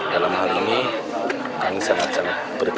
dalam hal ini kami sangat sangat berpengaruh